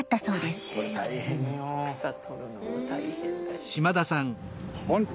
草取るのが大変だし。